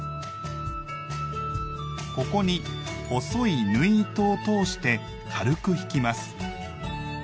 ここに細い縫い糸を通して軽く引きます。